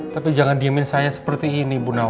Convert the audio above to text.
tapi jangan diemin saya seperti ini bu nawa